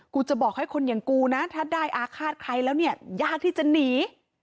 จะบอกให้คนอย่างกูนะถ้าได้อาฆาตใครแล้วเนี่ยยากที่จะหนี